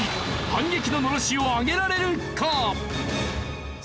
反撃の狼煙を上げられるか！？